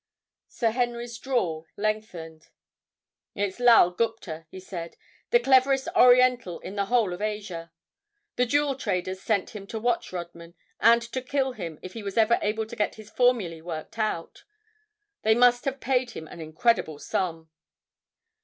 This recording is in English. Sir Henry's drawl lengthened. "It's Lal Gupta," he said, "the cleverest Oriental in the whole of Asia. The jewel traders sent him to watch Rodman, and to kill him if he was ever able to get his formulae worked out. They must have paid him an incredible sum."